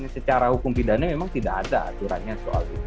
secara hukum pidana memang tidak ada aturannya soal itu